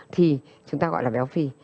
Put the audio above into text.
thì chúng ta gọi là béo phi